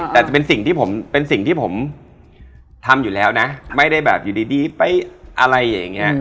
แต่เป็นสิ่งที่ผมทำอยู่แล้วนะไม่ได้แบบอยู่ดีไปอะไรอย่างงี้